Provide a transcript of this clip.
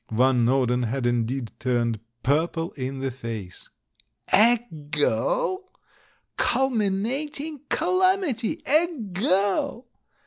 Van Norden had indeed turned purple in the face. A girl! Culminating calamity, a girl!